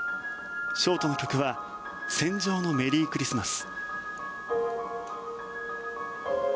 ショートの曲は「戦場のメリークリスマス」。